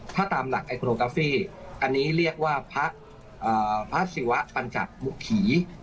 ถ้าตามหลักไอโคโลกาฟี่อันนี้เรียกว่าพระศิวะปัญจมุขี